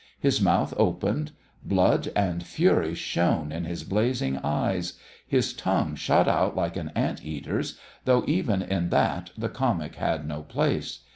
His mouth opened; blood and fury shone in his blazing eyes; his tongue shot out like an ant eater's, though even in that the comic had no place.